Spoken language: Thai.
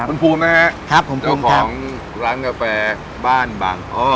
คุณภูมินะครับเจ้าของร้านกาแฟบ้านบางอ้อ